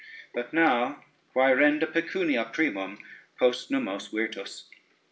But now Quaerenda pecunia primum, post nummos virtus.